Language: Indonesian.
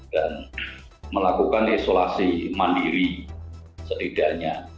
dan melakukan isolasi mandiri setidaknya